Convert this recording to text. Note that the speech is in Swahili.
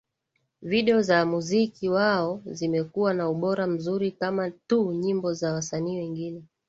video za muziki wao zimekuwa na ubora mzuri kama tu nyimbo za wasanii wengine